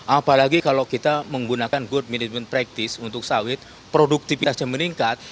apalagi kalau kita menggunakan good management practice untuk sawit produktivitasnya meningkat